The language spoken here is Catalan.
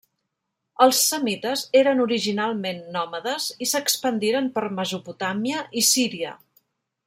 Els semites eren originalment nòmades i s'expandiren per Mesopotàmia i Síria.